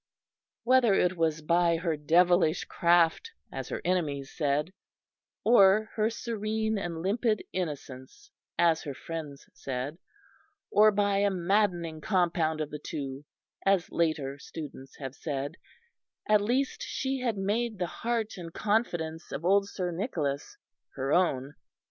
Whether it was by her devilish craft as her enemies said, or her serene and limpid innocence as her friends said, or by a maddening compound of the two, as later students have said at least she had made the heart and confidence of old Sir Nicholas her own.